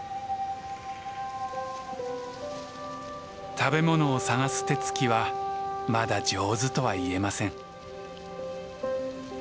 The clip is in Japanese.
食べ物を探す手つきはまだ上手とは言えません。